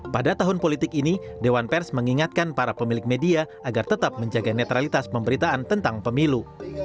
pada tahun politik ini dewan pers mengingatkan para pemilik media agar tetap menjaga netralitas pemberitaan tentang pemilu